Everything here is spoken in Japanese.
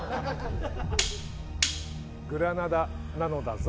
グラナダなのだぞ。